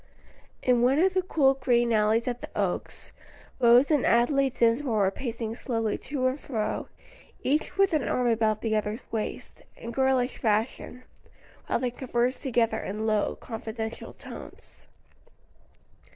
In one of the cool green alleys at the Oaks, Rose and Adelaide Dinsmore were pacing slowly to and fro, each with an arm about the other's waist, in girlish fashion, while they conversed together in low, confidential tones.